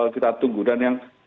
kita tunggu dan yang